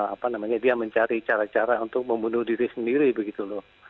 apa namanya dia mencari cara cara untuk membunuh diri sendiri begitu loh